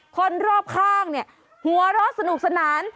คนรอบข้างเนี่ยหัวเราะสนุกสนาน